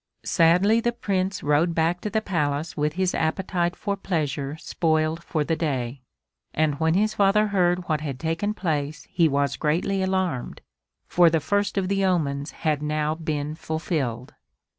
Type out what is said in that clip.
Sadly the Prince rode back to the Palace with his appetite for pleasure spoiled for the day, and when his father heard what had taken place he was greatly alarmed, for the first of the omens had now been fulfilled.